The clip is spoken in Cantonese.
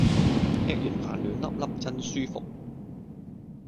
吃完飯暖粒粒真舒服